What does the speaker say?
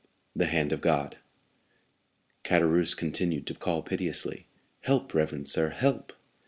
The Hand of God Caderousse continued to call piteously, "Help, reverend sir, help!"